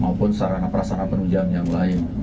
maupun sarana perasana penunjuan yang lain